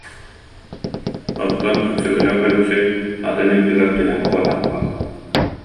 Оттон Өксөкүлээх Өлөксөй атын үрдүгэр түһэн куотан хаалбыт